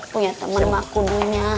punya teman ma kudunya